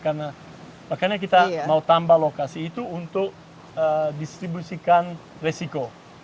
karena makanya kita mau tambah lokasi itu untuk distribusikan resiko